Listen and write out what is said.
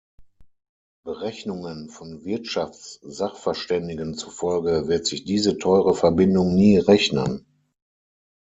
Berechnungen von Wirtschaftssachverständigen zufolge wird sich diese teure Verbindung nie rechnen.